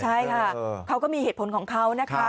ใช่ค่ะเขาก็มีเหตุผลของเขานะคะ